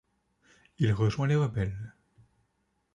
Il rejoint les rebelles.